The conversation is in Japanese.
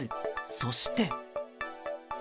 そして。